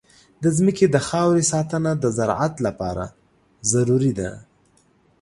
د ځمکې د خاورې ساتنه د زراعت لپاره ضروري ده.